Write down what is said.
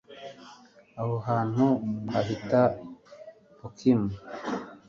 aho hantu bahita bokimu